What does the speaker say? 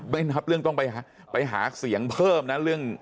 ไม่นับเรื่องต้องไปหาเสียงเพิ่มนะ